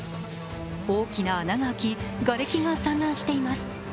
大きな穴が開き、がれきが散乱しています。